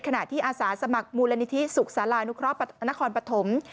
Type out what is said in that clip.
ขณะที่อาสาสมัครมูลนิธิศุกษ์สารานุครอบนครปฐม